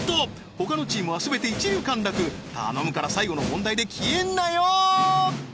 ほかのチームは全て一流陥落頼むから最後の問題で消えんなよー！